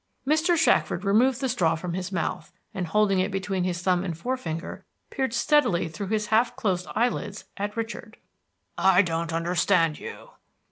Mr. Shackford removed the straw from his mouth, and holding it between his thumb and forefinger peered steadily through his half closed eyelids at Richard. "I don't understand you."